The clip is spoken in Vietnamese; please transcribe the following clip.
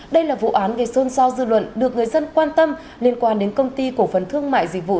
đây là vụ án gây xôn xao dư luận được người dân quan tâm liên quan đến công ty cổ phần thương mại dịch vụ